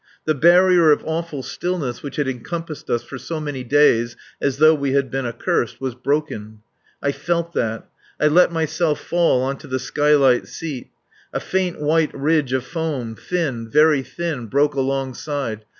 The barrier of awful stillness which had encompassed us for so many days as though we had been accursed, was broken. I felt that. I let myself fall on to the skylight seat. A faint white ridge of foam, thin, very thin, broke alongside.